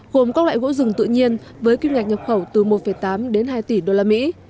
gồm các loại gỗ rừng tự nhiên với kiếm ngạch nhập khẩu từ một tám đến hai tỷ usd